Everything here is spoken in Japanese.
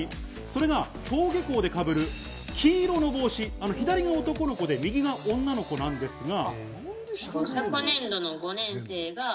それが登下校でかぶる黄色の帽子、左が男の子で右が女の子なんですが。